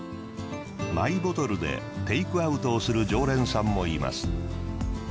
マイボトルでテークアウトをする常連さんもいます。